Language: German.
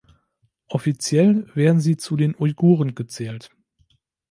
Offiziell werden sie zu den Uiguren gezählt.